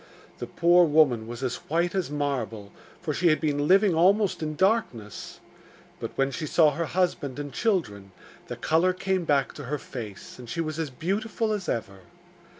The poor woman was as white as marble, for she had been living almost in darkness; but when she saw her husband and children, the colour came back to her face, and she was as beautiful as ever.